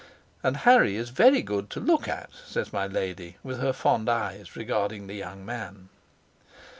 "And Harry is very good to look at," says my lady, with her fond eyes regarding the young man.